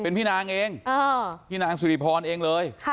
เป็นพี่นางเองพี่นางสุริพรเองเลย